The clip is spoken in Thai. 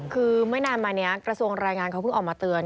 คือไม่นานมานี้กระทรวงรายงานเขาเพิ่งออกมาเตือน